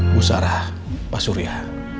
bu sarah pak surya